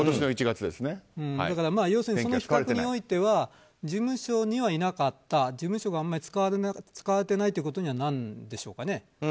その比較においては事務所にはいなかった事務所があまり使われてないということにはなるんでしょうかね。